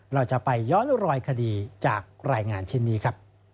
เราจะไปย้อนรอยคดีจากรายงานชิ้นนี้ครับ